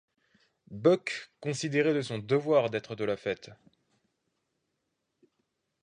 Buck considérait de son devoir d’être de la fête.